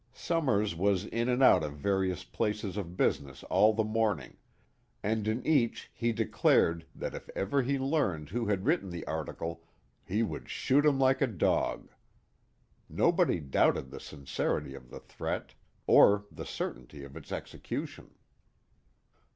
Summers was in and out of various places of business all the morning, and in each he declared that if ever he learned who had written the article, he would "shoot him like a dog." Nobody doubted the sincerity of the threat, or the certainty of its execution.